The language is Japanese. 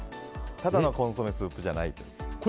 ただのコンソメスープじゃないと。